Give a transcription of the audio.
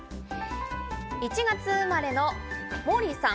１月生まれのモーリーさん。